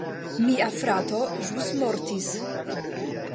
Mia frato ĵus mortis